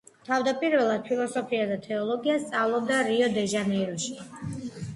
თავდაპირველად ფილოსოფიას და თეოლოგიას სწავლობდა რიო-დე-ჟანეიროში.